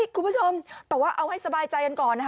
คุณผู้ชมแต่ว่าเอาให้สบายใจกันก่อนนะคะ